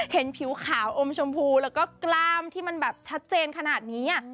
เห็นผิวขาวอมชมพูแล้วก็กล้ามที่มันแบบชัดเจนขนาดนี้